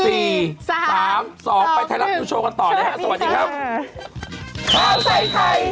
เอา๕๔๓๒ไปไทยรัฐนิวโชว์กันต่อเลยฮะ